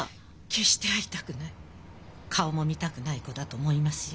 決して会いたくない顔も見たくない子だと思いますよ。